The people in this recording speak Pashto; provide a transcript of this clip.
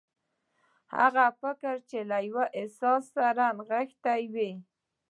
هغه فکر چې له يوه احساس سره نغښتي وي.